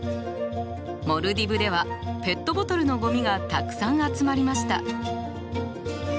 モルディブではペットボトルのゴミがたくさん集まりました。